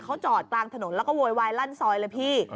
เขาจอดกลางถนนแล้วก็โวยวายลั่นซอยเลยพี่